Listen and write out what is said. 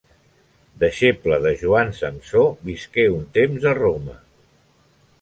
Deixeble de Joan Samsó, visqué un temps a Roma.